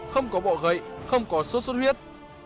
không có bọ gậy không có sốt sốt huyết